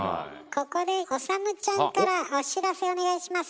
ここで理ちゃんからお知らせお願いします。